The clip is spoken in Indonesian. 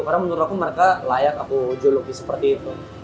karena menurut aku mereka layak aku juluki seperti itu